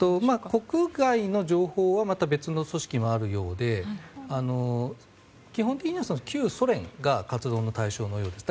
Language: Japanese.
国外の情報はまた別の組織があるようで基本的には旧ソ連が活動の対象のようです。